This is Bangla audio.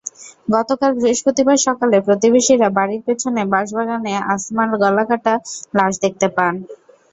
গতকাল বৃহস্পতিবার সকালে প্রতিবেশীরা বাড়ির পেছনে বাঁশবাগানে আসমার গলাকাটা লাশ দেখতে পান।